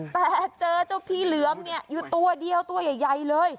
แต่เจอเจ้าพี่เหลือมเนี่ยอยู่ตัวเดียวตัวใหญ่เลย